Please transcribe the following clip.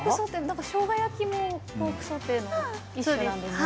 しょうが焼きもポークソテーの一種なんですよね。